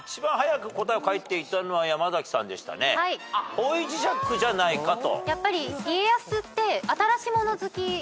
方位磁石じゃないかと。